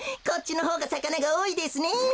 こっちのほうがさかながおおいですね。